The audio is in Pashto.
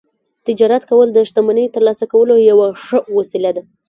تجارت کول د شتمنۍ ترلاسه کولو یوه ښه وسیله وه